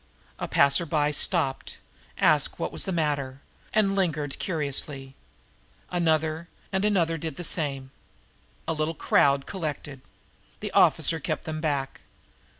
A passer by stopped, asked what was the matter and lingered curiously. Another, and another, did the same. A little crowd collected. The officer kept them back.